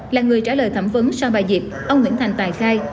là người trả lời thẩm vấn sau bài dịp ông nguyễn thành tài khai